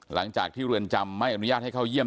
หลังจากที่เรือนจำไม่อนุญาตให้เข้าเยี่ยม